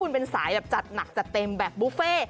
คุณเป็นสายแบบจัดหนักจัดเต็มแบบบุฟเฟ่